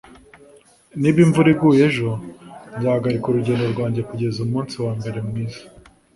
Niba imvura iguye ejo nzahagarika urugendo rwanjye kugeza umunsi wambere mwiza